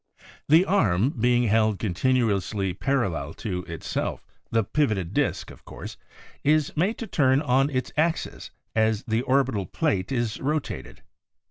The arm being held continu ously parallel to itself, the pivoted disk, of course, is made to turn on its axis as the orbital plate is rotated.